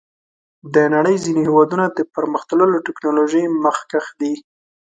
د نړۍ ځینې هېوادونه د پرمختللو ټکنالوژیو مخکښ دي.